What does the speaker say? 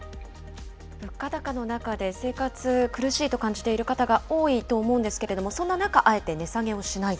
物価高の中で、生活、苦しいと感じている方が多いと思うんですけれども、そんな中、あえて値下げをしないと。